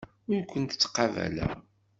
Ur kent-ttqabaleɣ.